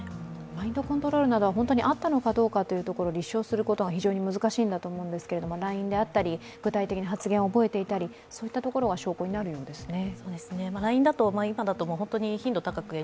マインドコントロールなどは本当にあったのかどうか立証するところが非常に難しいんだと思うんですがＬＩＮＥであったり、具体的に発言を覚えていたりそういったところが証拠になるんですね。